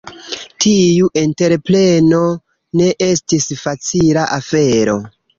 Tiu entrepreno ne estis facila afero.